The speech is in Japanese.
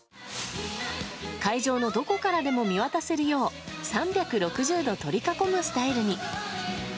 会場のどこからでも見渡せるよう３６０度取り囲むスタイルに。